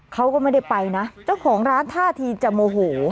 เขาก็ไม่ได้ไปนะเจ้าของร้านท่าทีจะโมโห